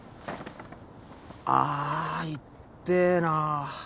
あいってえな。